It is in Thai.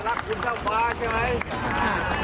รักพลุทธเท่าฟ้าใช่ไหม